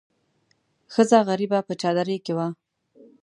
ښځه غریبه په چادرۍ کې وه.